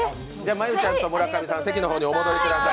真悠ちゃんと村上さん、席の方にお戻りください。